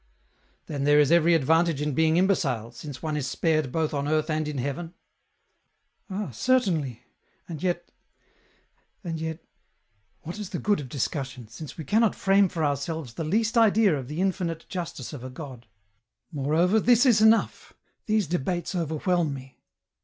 " Then there is every advantage in being imbecile, since one is spared both on earth and in heaven ?"" Ah ! certainly, and yet ... and yet. .. What is the good of discussion, since we cannot frame for ourselves the least idea of the infinite justice of a God ?"" Moreover, this is enough, these debates overwhelm me."